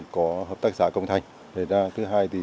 của hợp tác xã công thành thứ hai thì